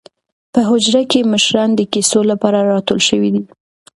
په حجره کې مشران د کیسو لپاره راټول شوي دي.